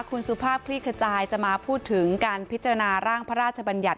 คุณสุภาพคลี่ขจายจะมาพูดถึงการพิจารณาร่างพระราชบัญญัติ